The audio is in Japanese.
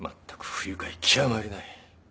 不愉快極まりない。